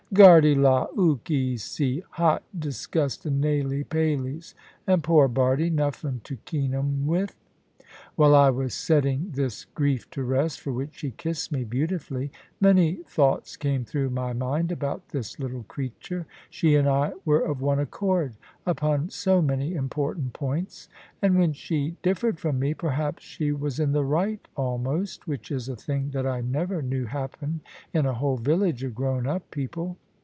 "Gardy la! 'Ook 'e see, 'hot degustin' naily pailies! And poor Bardie nuffin to kean 'em with!" While I was setting this grief to rest (for which she kissed me beautifully), many thoughts came through my mind about this little creature. She and I were of one accord, upon so many important points; and when she differed from me, perhaps she was in the right almost: which is a thing that I never knew happen in a whole village of grown up people.